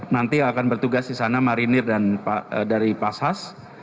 nanti akan bertugas di sana marinir dan dari pashas